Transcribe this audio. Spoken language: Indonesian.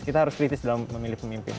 kita harus kritis dalam memilih pemimpin